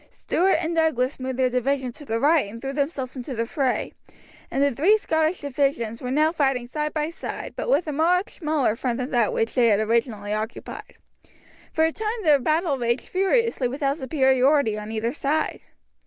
Stewart and Douglas moved their division to the right and threw themselves into the fray, and the three Scottish divisions were now fighting side by side, but with a much smaller front than that which they had originally occupied. For a time the battle raged furiously without superiority on either side.